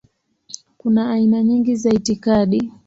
Kuna aina nyingi za itikadi.